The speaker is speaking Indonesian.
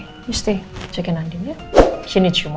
kamu tetap periksa andien ya dia lebih membutuhkan kamu